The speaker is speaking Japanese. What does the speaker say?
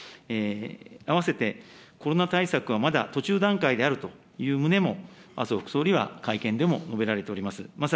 あわせて、コロナ対策はまだ途中段階であるという旨も、麻生副総理は会見でも述べられております。